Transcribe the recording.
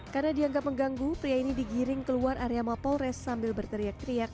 karena dianggap mengganggu pria ini digiring keluar area mapolres sambil berteriak teriak